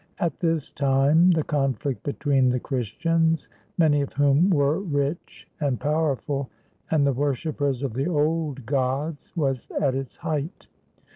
At this time the conflict between the Christians, many of whom were rich and powerful, and the worshipers of the old gods was at its height.